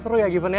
seru ya given ya